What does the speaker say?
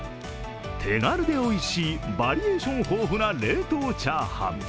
手軽でおいしいバリエーション豊富な冷凍チャーハン。